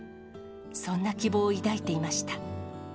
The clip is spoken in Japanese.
そんな希望を抱いていました。